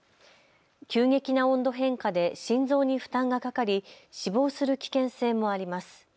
急激な温度変化で心臓に負担がかかり死亡する危険性もあります。